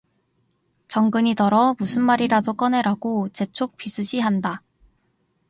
정근이더러 무슨 말이라도 꺼내라고 재촉 비슷이 한다.